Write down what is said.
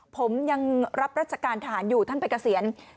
ผมยังรับราชการทหารอยู่ท่านไปเกษียณ